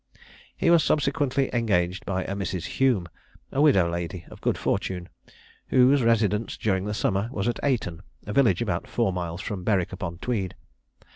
He was subsequently engaged by a Mrs. Hume, a widow lady of good fortune, whose residence, during the summer, was at Ayton, a village about four miles from Berwick upon Tweed.